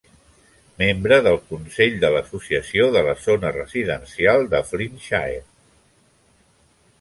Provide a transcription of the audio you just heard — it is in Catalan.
Membre del Consell de l'Associació de la Zona Residencial de Flintshire.